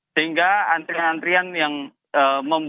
sehingga antrian antrian yang sering kali terjadi